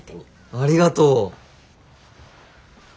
ありがとう。